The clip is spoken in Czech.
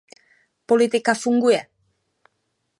Politika funguje.